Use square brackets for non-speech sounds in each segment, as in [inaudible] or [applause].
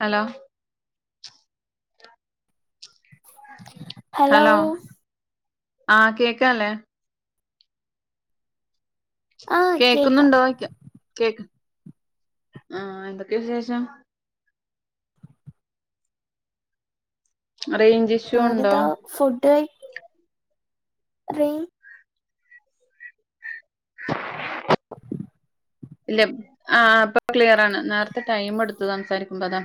Hello hello ആ കേക്കാല്ലേ. ആഹ് കേക്കാം കേക്കന്നുണ്ടോന്ന് യ്ക്ക കേക്ക് ആ എന്തൊക്കെയാ വിശേഷം റേഞ്ച് ഇഷ്യൂ ഉണ്ടോ? ഞാനിതാ റെയ് ഇല്ല ആ ഇപ്പൊ ക്ലിയർ ആണ്. നേരത്തെ ടൈം എടുത്തു സംസാരിക്കുമ്പോ അതാ.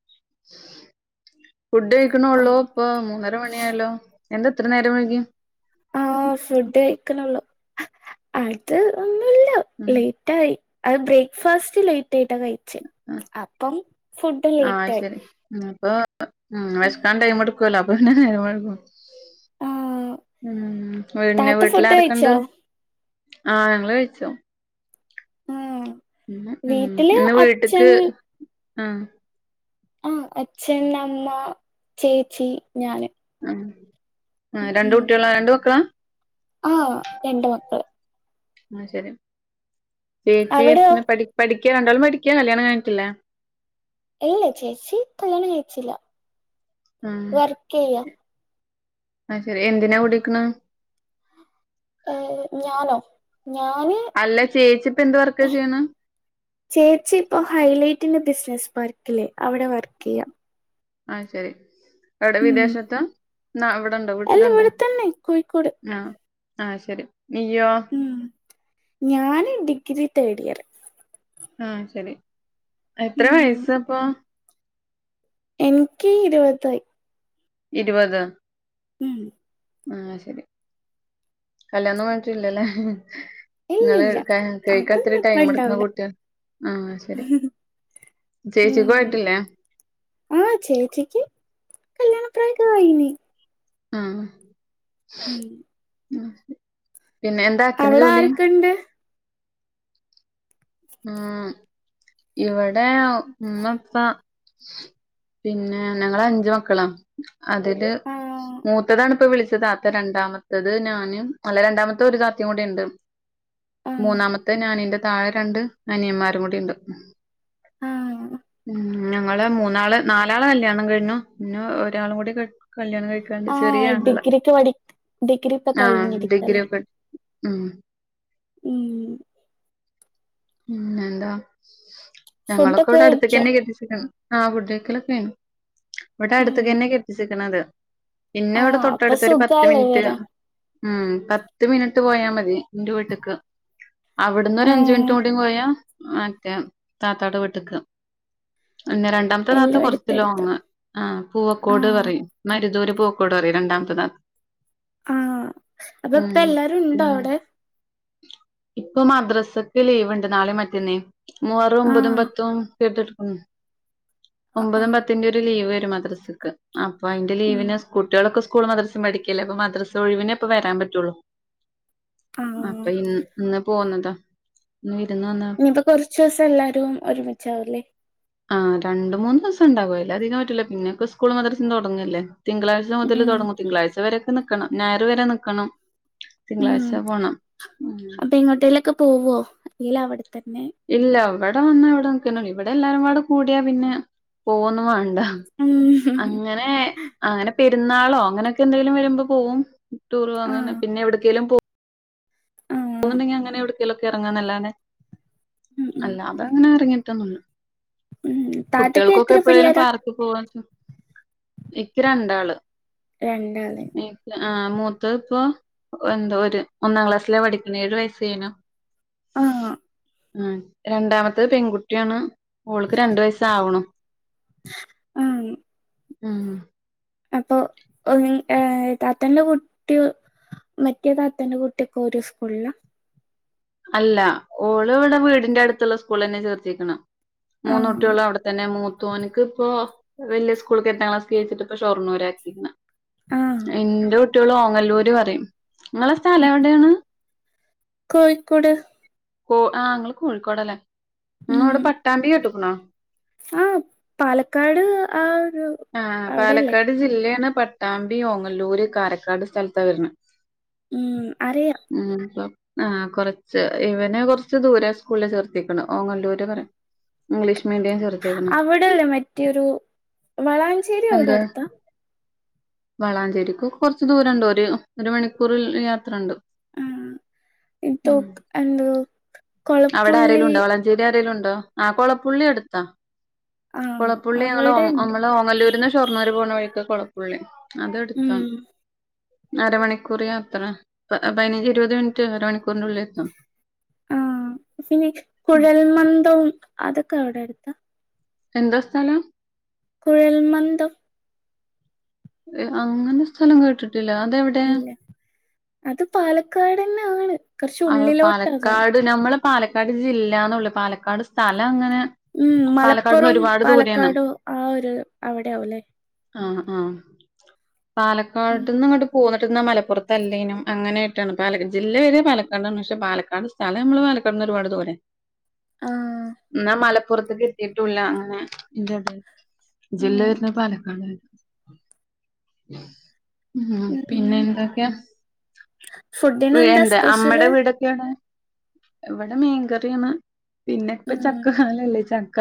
[inaudible] ഫുഡ് കഴിക്കണുള്ളൂ. ഇപ്പൊ മൂന്നര മണിയായല്ലോ എന്താ എത്ര നേരം വഴുകി ആ ഫുഡ് കഴിക്കണുള്ളു അത് ഉണ്ടു. ഉം ലേറ്റ് ആയി അത് ബ്രേക്ക്ഫാസ്റ്റ് ലേറ്റ് ട്ടിട്ടാ കഴിച്ചേ അപ്പം ഫുഡ് ലേറ്റ് ആയി. ആ വെശക്കാൻ ടൈം എടുക്കുവല്ലോ അപ്പ പിന്നെ ടൈം എടുക്കും. ആഹ് ഉം പിന്നെ താത്ത വീട്ടില് ഫുഡ് ആരൊക്കെണ്ട്? കഴിച്ചോ ആ ഞങ്ങള് കഴിച്ചു ഉം ഉം ഉം ഇന്ന് വീട്ടിക്ക് ഉം ആ അച്ഛൻ അമ്മ ചേച്ചി ഞാന് ആ രണ്ട് കുട്ടികളാ രണ്ട് മക്കാ. ആ രണ്ട് മക്കള് ആ ശരി. ചേച്ചി അവിടെയോ പിന്നെ പഠി പഠി ക്ക രണ്ടാളും പഠിക്കാ കല്യാണം കഴിഞ്ഞിട്ടില്ല ഇല്ലില്ല. ചേച്ചി കല്യാണം കഴിച്ചില്ല വർക്ക് ചെയ്യാ ആ ശരി എന്തിനാ പഠിക്കാണ് ഏ ഞാനോ ഞാന്. അല്ല ചേച്ചി ഇപ്പ എന്ത് വർക്കാ ചെയ്യ്ണ് ചേച്ചി ഇപ്പോ ഹൈലി പിന്നെ ബിസിനസ് പാർക്കില്ലേ അവിടെ വർക്ക് ചെയ്യാം ആഹ ശരി എവിടെ വിദേശത്താ ന്നാ അവ്ടെണ്ടോ അല്ല വീട്ടില്ണ്ടോ ഇവിടെ തന്നെ കോഴിക്കോട് ആഹ് ആഹ് അത്ശെരി ഉം ഞാന് ഡിഗ്രി തേഡ്‌യറ് ആഹ് ശെരി എത്രേ വയ്സപ്പം എൻക്ക് ഇര്പതായി ഇര്പതോ ഉം ആഹ് ശെരി കല്യാണം കഴ്ഞ്ഞിട്ട്ല്ലലെ ഇങ്ങൾ ഇല്ലില്ല കെ കെഴ്ക്കാത്ത്‌രി അതൊന്നും ഇപ്പ ടെയ്മെട്ക്ക്ന്ന ഇണ്ടാവൂല കൂട്ട്യാ ആഹ് അത്ശെരി ഉം ചേച്ചിക്കും ആയ്ട്ട്ല്ലേ കല്യാണ പ്രായൊക്കെ ആയീന് ആഹ് ഉം ഉം പിന്നെ എന്താ അച്ഛന് അവിടെ ജോലി ആരൊക്കെണ്ട് ഉം ഇവിടെ ഉമ്മ ഉപ്പ പിന്നെ ഞങ്ങള് അഞ്ചു മക്കളാ അതില് ആഹ് മൂത്തതാണിപ്പം വിളിച്ച- താത്ത രണ്ടാമത്തത് ഞാന് അല്ല രണ്ടാമത്തെ ഒരു താത്തയും കൂടി ഒണ്ട് ആഹ് മൂന്നാമത്തെ ഞാൻ ഇന്റെ താഴെ രണ്ട് അനിയമാരും കൂടിയുണ്ട് ആഹ് ഉം ഞങ്ങൾ മൂന്നാള് നാലാള് കല്യാണം കഴിഞ്ഞു പിന്നെ ഒരാളും കൂടി കെ - കല്യാണം കഴിക്കാണ്ട് ആഹ് ചെറിയാങ്ങള ഡിഗ്രിക്ക് പഠി ഡിഗ്രി ഇപ്പൊ ആഹ് കഴിഞ്ഞിരിക്കല്ലേ ഡിഗ്രിയൊക്കെ ഇ - ഉം ഉം പിന്നെ എന്താ ഞങ്ങളൊക്കെ ഫുഡൊക്കെ ഇവിടെ കഴിച്ചോ അടുതെക്കെയാ കെട്ടിചെക്കണത് ആഹ് ഫുഡ്‌ കഴിക്കാലൊക്കെ കയിഞ്ഞ് ഇവിടെ ഉം അടുത്ത്ക്കെ തന്നെയാ കെട്ടിചെക്കണത് പിന്നെ ഇവിടെ ആഹ് അപ്പൊ തൊട്ടടുത്ത് ഒരു പത്ത് സുഖാല്ലേ മിനിറ്റ് വരാൻ ഉം പത്ത് മിനിറ്റ് ട്ട് പോയാ മതി എന്റെ വീട്ട്ക്ക് അവിട്ന്ന് ഒരു അഞ്ചു മിനിറ്റ്- ആഹ് [unintelligible] മറ്റെ താത്താടെ വീട്ട്ക്ക് പിന്നെ രണ്ടാമത്തെ താത്ത എല്ലും കൊറച്ച് എടുത്തെടുത്ത് ലോങ്ങ് ആ പൂവക്കോട് ആഹ് പറയും മരുദൂര്- പൂവക്കോട് പറയും രണ്ടാമത്തെ താത്ത- ആഹ അതോ ഇപ്പ ഉം എല്ലാരും ഉണ്ടോ ഉം അവിടെ ഇപ്പൊ മദ്രസക്ക് ലീവുണ്ട് നാളെ മറ്റെന്നിം മുഹറം ഒമ്പതും ആഹ് പത്തും ടുക്ക [unintelligible] ആഹ് ഒമ്പതും ആഹ് പത്തിന്റെ ഒരു ലീവ് വരും മദ്രസക്ക് ആ അപ്പൊ അതിന്റെ ഉം ലീവിന് കുട്ടികളൊക്കെ സ്കൂൾ മദ്രസയും പഠിക്കല്ലേ അപ്പൊ മദ്രസ ഒഴിവിനെ ഇപ്പം വരാൻ പറ്റൊള്ളൂ ആഹ് അപ്പൊ ഇ ഇന്ന് പോന്നതാ വിരുന്ന് വന്നതാ ഇനിയിപ്പം കൊറച്ചു ദിവസം എല്ലാരും ഒരുമിച്ചാവു അല്ലേ ആഹ് രണ്ട് മൂന്ന് ദിവസം ഉണ്ടാകും അയിൽ അതികം പറ്റില്ല പിന്നെ ഒക്കെ സ്കൂൾ മദ്രസും തുടങ്ങല്ലേ. തിങ്കളാഴ്ച മുതൽ ഉം തൊടങ്ങും തിങ്കളാഴ്ച വരെയൊക്കെ നിക്കണം ഞായർ വരെ നിക്കണം. ഉം തിങ്കളാഴ്ച പോണം. ഉം. അപ്പൊ എങ്ങോട്ടേലൊക്കെ പോവോ അല്ലേൽ അവിടെ തന്നെ ഇല്ല ഇവിടെ വന്ന ഇവിടെ നിക്കുന്നു ഇവിടെ എല്ലാരുംപാട് കൂടിയാ പിന്നെ പോവൊന്നും വാ ണ്ട ഉം അങ്ങനെ അങ്ങനെ പെരുന്നാളോ അങ്ങനെയൊക്കെ എന്തെലും വരുമ്പോ പോവും. ടൂറും അങ്ങനെ ആഹ് പിന്നെ എവിട്ക്കേലും പോ ആഹ് പോവുന്നുങ്കി അങ്ങനെ എവിടക്കേലൊക്കെ ഇറങ്ങാന്നല്ലാതെ ഉം ഉം അല്ലാതെ അങ്ങനെ ഇറങ്ങി ട്ടോന്നുല്ല ഉം താത്തക്ക് കുട്ട്യോൾക്കൊക്കെ എത്ര എപ്പോഴേലും പിള്ളേരാ പാർക്ക് പോവാ ഇക്ക് രണ്ടാള്. രണ്ടാള്. എനിക്ക് ആ മൂത്തത് ഇപ്പൊ എന്തോ ഒരു ഒന്നാം ക്ലാസ്സിലാ പഠിക്ക്ണത് ഏഴു വയസ് കെയ്ഞ്ഞു. ആഹ്. ആഹ് രണ്ടാമത്തത് പെൺകുട്ടിയാണ്. ഓൾക്ക് രണ്ടു വയസാവണു ആഹ് ഉം. അപ്പൊ ഏ താത്തന്റെ കുട്ടി മറ്റേതാത്തന്റെ കുട്ടിയപ്പം ഒര് സ്കൂളിലാ? അല്ല, ഓള് ഇവിടെ വീടിന്റെ അട്ത്തുള്ള സ്കൂളിന്റെ അട്ത്തന്നെ ചേർത്തിക്ക്‌ണേ മൂന്നു ആഹ് കുട്ടിയളും അവിടെത്തന്നെ, മൂ ത്തോൻക്ക് ഇപ്പോ വലിയ സ്കൂളക്ക് എട്ടാം ക്ലാസ്ക്ക്‌ ജയിച്ചിട്ടപ്പൊ ഷൊർണ്ണൂരാ ആക്കിരിന്ന് ആഹ് എന്റെ കുട്ടിയോള് ഓങ്ങല്ലൂര് പറിം. ഇങ്ങളെ സ്ഥലവിടെയാണ്? കോഴിക്കോട്. കോ ആഹ് ഇങ്ങള് കോഴിക്കോടല്ലേ, ഉം നിങ്ങളവിടെ പട്ടാമ്പി കേട്ട്ക്ണോ? ആഹ് പാലക്കാട് ആ ഒരു ആഹ്, അവിടെല്ലേ പാലക്കാട് ജില്ലേണ് പട്ടാമ്പി, ഓങ്ങല്ലൂര്, കാരക്കാട് സ്ഥലത്താവര്ണെ- ഉം അറിയാം [inaudible] ഉം, ഇപ്പം ആഹ്, കൊറച്ച് ഇവനെ കൊറച്ച് ദൂരെ സ്കൂളില് ചേർത്തിക്ക്ണെ, ഓങ്ങല്ലൂര് പറിം. ഇംഗ്ലീഷ് മീഡിയം ചേർത്തിക്ക്ണ് അവിടല്ലേ മറ്റേൊരു, വളാഞ്ചേരി അവിടെ അടുത്താ വളാഞ്ചേരിക്ക് കുറച്ച് ദൂരം ഇണ്ട്. ഒര് ഒരു മണിക്കൂറിൽ യാത്രണ്ട്. ആഹ് എന്തോ ഹ്മ്മ്, എന്ത് അവിടെ ആരെേലും കൊളപ്പുള്ളി ഇണ്ടോ? വളഞ്ചേരി ആരേലും ഇണ്ട് ണ്ടോ? കൊളപ്പുള്ളി അടുത്താ, ആഹ് കൊളപ്പുള്ളി ഞങ്ങ അവിടെണ്ട് വല്ലൂരിന്ന് ഷൊർണ്ണൂര് പോണ വഴിക്കാ കൊളപ്പുള്ളി. അത് അടുത്താ ഉം അരമണിക്കൂർ യാത്ര, പതിനഞ്ച് ഇരുപത് മിനിറ്റ് അരമണിക്കൂ ആഹ്, പിന്നെ കുഴൽ മന്ദവും അത് ക്കെ അവിടെ അട്ത്താ എന്താ സ്ഥലം? കുഴൽമന്തം അങ്ങനെ സ്ഥലം കേട്ടിട്ടില്ല, അതെവിടെ? ഇല്ലേ അത് പാലക്കാട്ന്നാണ്. ആഹ്, പാലക്കാട് നമ്മള് പാലക്കാടില്ലാന്നൊള്ളു. പാലക്കാട് സ്ഥലങ്ങനെ ഉം. മലപ്പുറം പാലക്കാടും ആഹ് ഒരു അവിടെയാവുല്ലേ? ആഹ് ആഹ് ഉം പാലക്കാട്ടിന്നിങ്ങട്ട് പോന്നിട്ട് ന്നാ മലപ്പുറത്തല്ലേനും അങ്ങനായിട്ടാണ്. പാലാ ജില്ല വരണെ പാല കാടാണ്, പക്ഷെ പാലക്കാട് സ്ഥലം നമ്മള് പാലക്കാട് നിന്ന് ഒരുപാട് ദൂരെ. ആഹ് എന്നാ മലപ്പുറത്തേക്ക് എത്തിട്ടുല്ല അങ്ങനെ ഉം ജില്ല വരുന്നത് പാലക്കാടാണ്. ഉം, ഉം പിന്നെ എന്തൊക്കെയാ? ഫുഡിനെന്താ എന്താ അമ്മ ടെ സ്പെഷ്യല് വീടൊക്കെയെവിടെ ഇവിടെ മീൻകറിയാണ്. പിന്നെ ഇപ്പ ഉം ചക്ക കാലല്ലേ ചക്ക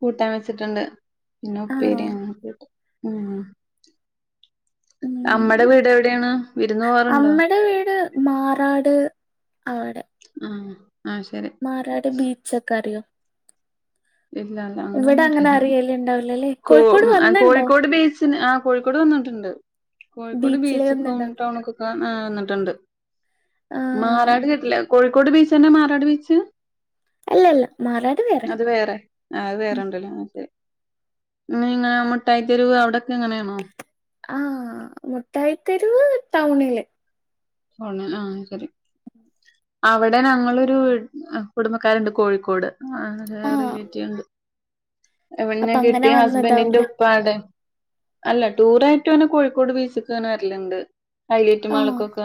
കൂട്ടാൻ വെച്ചിട്ടുണ്ട്. പിന്നെ ആഹ് ഉപ്പേരി അങ്ങനത്തൊക്കെ--ഹ്മ്മ് ഉം നമ്മടെ വീട് എവിടെയാണ്? വിരുന്നൊവാറുണ്ടോ? ത് ആടെ ആഹ് ആഹ് ശരി മറാടി ബീച്ചക്കറിയോ? ഇല്ല, ഇല്ല അങ്ങനൊന്നു അങ്ങനെ അറീല്ല. അറിയല്ണ്ടാവൂലല്ലേ കോ കോഴിക്കോട് വന്ന്ണ്ടോ കോഴിക്കോട് ബിച്ച് ആഹ്, കോഴിക്കോട് വന്നിട്ടുണ്ട്, കോഴിക്കോട് ബീച്ചില് ബീച്ച്ക്കും വന്ന്ണ്ടോ ടൗണുക്കൊക്കെ ആഹ് വന്നിട്ടുണ്ട്. ആഹ് മാറാട് കേട്ടില്ല, കോഴിക്കോട് ബീച്ചന്നെ മാറാട് ബീച്ച് അല്ലല്ല മാറാട് വേറെയാ അത് വേറെ ആഹ്, അത് വേറെണ്ടല്ലൊല്ലേ [unintelligible] ഇനിങ്ങ മുട്ടായി തെരുവ് അവിടൊക്കങ്ങനെയാണോ ആഹ് മുഠായിതെരുവ് ടൗണില്. ടൗണി ആഹ് ശരി. [inaudible] അവിടെ ഞങ്ങളൊരു വി കുടുംബക്കാരുണ്ട് കോഴിക്കോട്, ആഹ് റിലേറ്റീവ്ണ്ട്. എവിട്ന്നാ അപ്പൊ അങ്ങനെ കെട്ടിയെ ഹസ്ബന്റിന്റെ വന്നതാവൂലേ ഉൽപ്പാടെ അല്ല ടൂറായിട്ടൊനെ കോഴിക്കോട് ബീച്ചക്ക് ഇങ്ങനെ വരല്ണ്ട്. ഹൈലറ്റ് ആഹ് മാള്ക്കൊക്കെ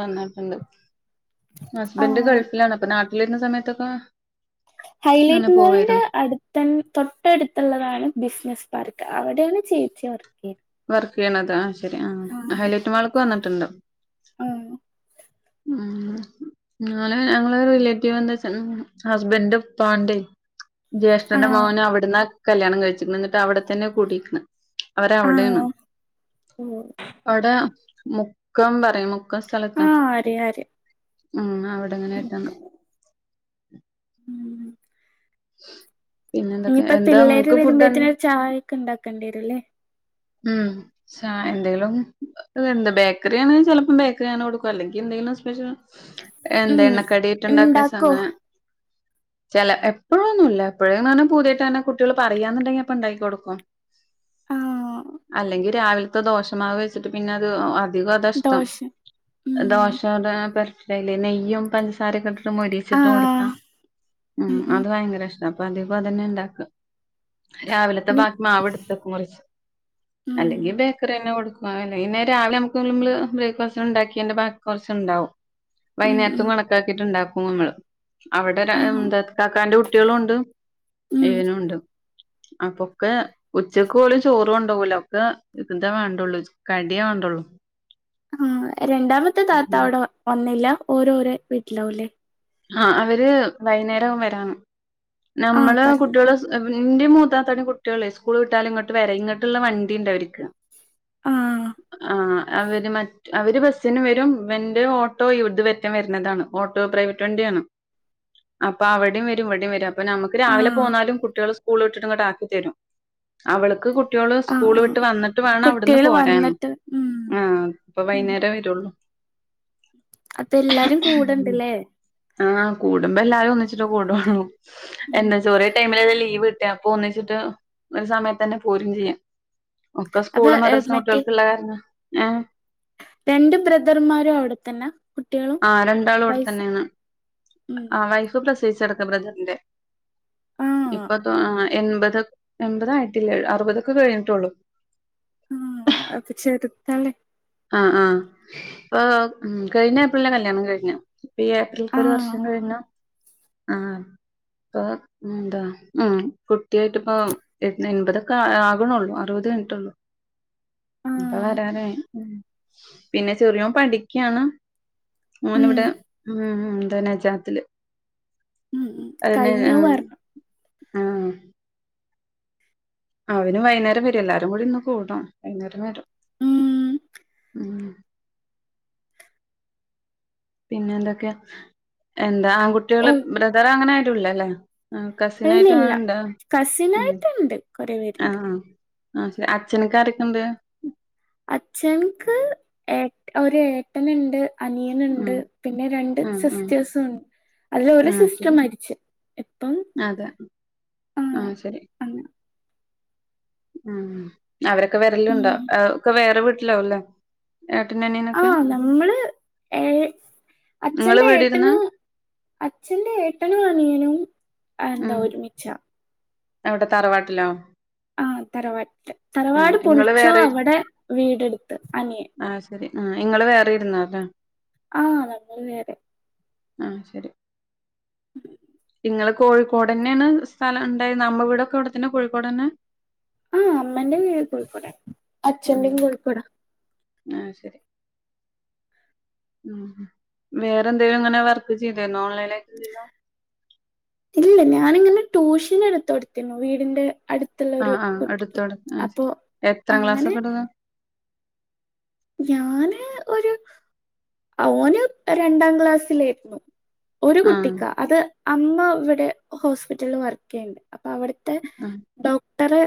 ഹസ്ബന്ഡ് ആഹ് ഗൾഫിലാണ് അപ്പൊ നാട്ടില വരുന്ന സമയത്തൊക്കെ അങ്ങനെ ഹൈലൈറ്റ് മോളിന്റെ പോവായിരുന്നു. അടുത്ത തൊട്ടടുത്തുള്ളതാണ് ബിസിനസ്സ് പാർക്ക് അവിടെയാണ് ചേച്ചി വറക്ക്‌ ചെയ്യ ശരി ഹൈലൈറ്റ് മാളക്ക് വന്നിട്ടുണ്ട ആഹ ഉ ഞ ഞങ്ങള് റിലേറ്റീവ് എന്താച്ച ഹസ്ബൻഡ് പാണ്ടേ ജ്യേഷ്ഠന്റെ മോനൻ അവിടന്ന് കല്യാണം കഴിച്ചിുണ്ട് എന്നിട്ട് അവിടെത്തന്നെ കൂട്ടയിരിക്കണ് അവരവിടൊണ് അവിടെ മുക്കം പറയും മുക്ക സ്ഥലത്താ എ ഉ അവിടെങ്ങനൊയിട്ടന്ന് ഉം [unintelligible] ഇനിയിപ്പ എന്താ പിള്ളേര് ഇങ്ങക്ക് ഫുഡ് വരുമ്പോഴത്തന ഒരു ചായ ഒക്കെ ഉണ്ടാക്കേണ്ടി വരും അല്ലേ ഉംചായ എന്തെങ്കലും ബേക്കറിയാണ് ചെലപ്പം ബേക്കറി ആണ് കൊടുക്കും അല്ലെങ്കി ന്ത സ്പ്യഷ്യൽ എന്താ ഉം ഇണ്ടാക്കോ എണ്ണക്കടിട്ടുണ്ടാക്കങ്ങനെ ചില എപ്പോഴൊന്നുമ ഇല്ല എപ്പോഴേന്ന് പറഞ്ഞാൽ പുതിയായിട്ട് തന്നെ കുട്ടികൾ പറയാന്നുണ്ടങ്കി അപ്പൊ ഉണ്ടാക്കി കൊടുക്കും ആ അല്ലെങ്കി രാവിലത്തെ ദോഷമാവ് വെച്ചിട്ട് പിന്നെ അത് അധികം അതഷ്ടം ദോശ ഉം ദോശയുടെ പെരപ്പല്ലേ നെയ്യും പഞ്ചസാരൊക്കെ ആ മൊരിച്ചിട്ട് കൊടുത്താ ഉ ഉം ഉം അത് ഭയങ്കര ഇഷ്ട അപ്പൊ അതിപ അതന്നെ ഇണ്ടാക്ക രാവിലത്തെ ഇനി- ബാക്കി മാവിടുത്തൊക്കെ കുറച്ചു [inaudible] അല്ലെങ്കിൽ ബേക്കറി തന്നെ കൊടുക്കുവ അല്ല ഇന്ന രാവിലെ നമുക്ക് നള് ബ്രേക്ക്ഫാസ്റ്റ് ഉണ്ടാക്കി്റെ ബാക്കി കുറച്ചുണ്ടാവും ഉം ഉം വൈകുന്നേരത്തും കണക്കാക്കിയിട്ടുണ്ടാക്കും നമ്മള് അവിടെ ആ എന്താ കാക്കാൻന്റെ കുട്ടികളുണ്ട് ഉം ഇനുണ്ട് അപ്പൊക്കെ ഉച്ചക്കോള ചോറുകൊണ്ടോവൂല ഒക്കെ ഇതിന്റെ വേണ്ടുള്ളൂ കടിയേ വേണ്ടുള്ളൂ ആ രണ്ടാമത്തെ താത്ത അവിടെ വന്നില്ല ഓരോര വീട്ടിലാവല്ലേ ആഹ അവര് വൈകുന്നേരം വരാണ് ആ നമ്മള് പറഞ്ഞു കുട്ടികള് ന്റെ മൂതാത്താന്റെ കുട്ടികളെ സ്കൂൾ വിട്ടാലും ഇങ്ങട്ട് വര ഇങ്ങോട്ടുള്ള വണ്ടി ഉണ്ട അവരിക്ക് ആ ആഹ അവര് മ അവര് ബസ്സിന് വരും എന്റെ ഓട്ടോ ഇവിടത് വറ്റാൻ വരുന്നതാണ് ഓട്ടോ പ്രൈവറ്റ് വണ്ടി ആണ് അപ്പ അവിടെയും വരും ഇവിടെ വരും അപ്പം നമുക്ക് ആ രാവിലെ പോന്നാലും കുട്ടികൾ സ് സ്കൂള ഇട്ടിട്ട് ഇങ്ങോട്ട് ആക്കിത്തരും അവൾക്ക് കു കുട്യള് ആ സ്കൂള് ആ വിട്ട് വന്നിട്ട് വേണം അവിടുന്ന് കുട്ടികള് പോരാൻ വന്നിട്ട് ഉം ആ ഇപ്പ വൈകുന്നേരേ വരുള്ളൂ അപ്പ എല്ലാരും കൂടെണ്ടല്ലേ ആഹ് കൂടുമ്പോ എല്ലാരും ഒന്നിച്ചിട്ട് കൂടുണ ഉം എന്നാ ചോറേ ടൈമിൽ ലീവ് അപ്പൊ ഒന്നിച്ചിട്ട് ഒരു സമയത്ത് തന്നെ പോരും ചെയ്യാം ഒക്കെ അപ്പൊ സ്കൂള് മദൃസും മറ്റേ കുട്ടികൾക്കള്ള കാരണം ഏ രണ്ട് ബ്രദർമാരും അവിടെത്തന്നെ കുട്ടികളും ആ രണ്ടാള അവിടെ വൈഫും തന്നെയാണ് ഉം ആ വൈഫ് പ്രസവിച്ചെടക്ക ബ്രദറിറെ ആഹ് ഇപ്പ എൺപത് എൺപത ആയിട്ടില്ലേ അറുപതൊക്കെ കഴിഞ്ഞിട്ടുള്ളൂ ആഹ അപ്പൊ ചെറുത്തല്ലേ ആ ആ പ്പ കഴിഞ്ഞ ഏപ്രിലെ കല്യാണം കഴിഞ്ഞ ഇപ്പൊ ഈ ഏപ്രിലക്ക് ഒരു ആഹ് വർഷം കഴിഞ്ഞ ആഹ് അപ്പ എന്താ ഉ കുട്ടിയായിട്ട് ഇപ്പ എൺപതൊക്കെ ആകണള്ളൂ അറുപത് ട്ടൊള്ളു അപ്പൊ ആഹ് വരാനായി പിന്നെ ചെറിയോൻ പഠിക്കയാണ് ഓൻ ഉം ഇവിടെ ഉം എന്ത നജാത്തില് കഴിഞ്ഞൂവർ ആ അവന് വൈകുന്നേരം വരും എല്ലാരും കൂടി ഇന്ന് കൂടണം വൈകുന്നേരം വരും ഉം ഉം പിന്നെ എന്തൊക്കെയാ എന്താ ഓ ആൺകുട്ടികള് ബ്രദർ അങ്ങന ആരുല്ലേ ആ കസിനായിട്ട ഇല്ലില്ല ഇണ്ടോ ഉം കസിനായിട്ടുണ്ട് കൊറെ ആ പേരുണ്ട് ആ ശരി അച്ഛനൊക്കെയാറെക്കണ്ട് അച്ഛൻക്ക് ഏ ഒരേട്ടനുണ്ട് അനിയന്ണ്ട് ആഹ് പിന്നെ രണ്ട് ആഹ് ആഹ് സിസ്റ്റേഴ്സും ഉണ്ട് അതല് ഒരു ആഹ് സിസ്റ്റർ മരിച്ചു ഇപ്പം ആ ആഹ് ശരി അങ്ങനെ ഉം അവരൊക്കെ വരലുണ്ടോ ഉം ഒക്കെ വേറെ വീട്ടിലാവല്ലേ ആ നമ്മള് ഏ ഇങ്ങള് അച്ഛന്റെ വീടിരുന്നാ ഏട്ടന് അച്ഛന്റെ ഏട്ടനും അനിയനും എന്താ ഒരുമിച്ചാ അവിടെ തറവാട്ടിലോ ആ തറവാട്ട് തറവാട് ആഹ് ഇങ്ങള് പൊളിച്ചു വേറെ അവിടെ വീടെടുത്ത് അനിയൻ ആ ങ്ങള് വേറെ ഇരുന്നാ ലെ ആ നമ്മൾ വേറെ ആ ശരി ങ്ങള് കോഴിക്കോടന്നെയാണ് സ്ഥലം ഇണ്ടായത് നമ്മ വീടൊക്കെ അവിടെ തന്നെ കോഴിക്കോട് തന്നെ ആ അമ്മന്റെ വീട് കോഴിക്കോടാ അച്ഛന്റെയും കോഴിക്കോടാ ആ ശരി ഉ വേറെന്തേലും ഇങ്ങനെ വർക്ക് ചെയ്തയാരുന്നു ഓൺലൈനായിട്ടി ല്ലല്ലോ ഇല്ലില്ല ഞാനിങ്ങനെ ട്യൂഷൻ എടുത്ത് കൊടുത്തിന്നു വീടിന്റെ അടുത്തുള്ള ഒരു ആഹ് ആഹ് കുട്ടിക്ക് എടുത്തോട് ആഹ് അപ്പൊ ശരി എത്രാം അങ്ങനെ ക്ലാസ്സൊക്കെ എടുക്കാ ഞാന് ഒരു ഓന് രണ്ടാം ക്ലാസ്സിലായിരുന്നു ഒരു ആഹ് കുട്ടിക്കാ അത് അമ്മ ഇവിടെ ഹോസ്പിറ്റലിൽ വർക്ക് ചെയ്യണ്ട് അപ്പൊ അവിടെ ത്തെ ആഹ് ഡോക്ടറെ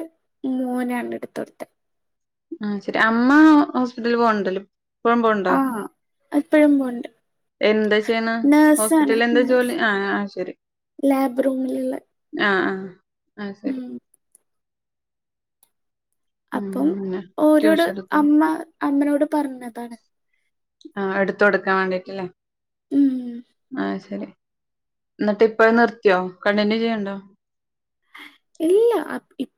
മോനാണ് എടുത്തൊടുത്ത ആ ശരി അമ്മ ഹോസ്പിറ്റലിൽ പോണ്ട് ആ ഇപ്പോഴും പോണ്ട് എന്താ ചെയ്യണ ഹോസ്പിറ്റലിൽ എന്താ ജോലി ആ ആ ശരി ലാബ്റൂമിലുള്ള ആ ആ ആ ശരി ഉം അപ്പം അങ്ങനെ ഓരോട് ട്യൂഷൻ എടുത്ത് അമ്മ അമ്മനോട് പറഞ്ഞതാണ് ആഹ് എടുത്തൊട്ക്കാൻ വേണ്ടിട്ടില്ലേ ഉം ആഹ് ശരി ന്നിട്ട് ഇപ്പ നിർത്തിയോ കണ്ടിന്യൂ ചെയ്യണുണ്ടോ ഇല്ല ഇപ്പ